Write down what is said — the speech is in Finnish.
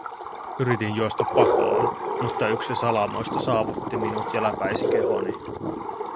Yritin juosta pakoon, mutta yksi salamoista saavutti minut ja läpäisi kehoni.